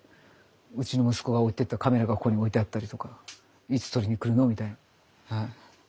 うちの息子が置いてったカメラがここに置いてあったりとかいつ取りに来るのみたいなはい。